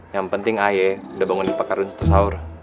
yang penting ayo udah bangunin pak ardun setelah sahur